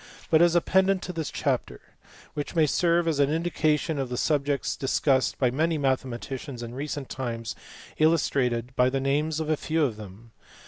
but as a pendant to this chapter, which may serve as an indication of the subjects discussed by many mathematicians in recent times illustrated by the names of a few of them.